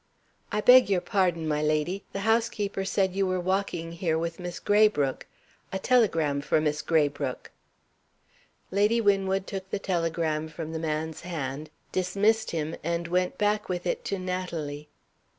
"I beg your pardon, my lady the housekeeper said you were walking here with Miss Graybrooke. A telegram for Miss Graybrooke." Lady Winwood took the telegram from the man's hand; dismissed him, and went back with it to Natalie.